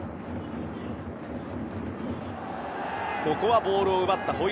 ここはボールを奪った。